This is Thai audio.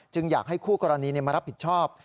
อยากให้คู่กรณีมารับผิดชอบ